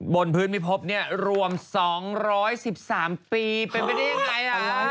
บนพื้นไม่พบเนี่ยรวม๒๑๓ปีเป็นไปได้ยังไง